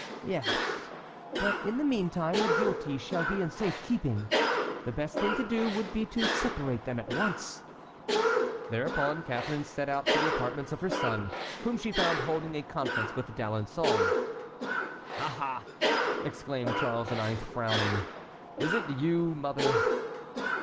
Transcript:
Yes, but in the meantime the guilty shall be in safe keeping. The best thing to do would be to separate them at once." Thereupon Catharine set out for the apartments of her son, whom she found holding a conference with D'Alençon. "Ah! ah!" exclaimed Charles IX., frowning, "is it you, mother?"